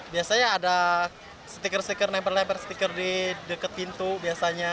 biasanya ada stiker stiker lebar lebar stiker di dekat pintu biasanya